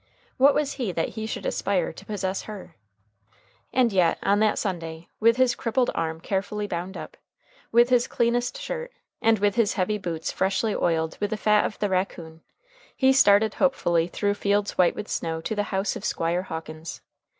What was he that he should aspire to possess her? And yet on that Sunday, with his crippled arm carefully bound up, with his cleanest shirt, and with his heavy boots freshly oiled with the fat of the raccoon, he started hopefully through fields white with snow to the house of Squire Hawkins.